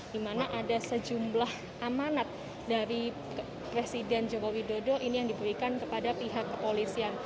di mana ada sejumlah amanat dari presiden joko widodo ini yang diberikan kepada pihak kepolisian